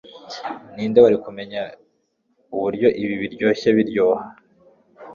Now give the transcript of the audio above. ninde wari kumenya uburyo ibi biryoshye biryoha